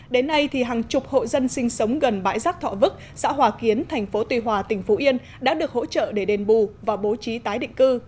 đến nay hàng chục hộ dân sinh sống gần bãi rác thọ vức xã hòa kiến thành phố tuy hòa tỉnh phú yên đã được hỗ trợ để đền bù và bố trí tái định cư